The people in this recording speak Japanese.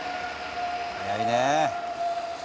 早いねえ！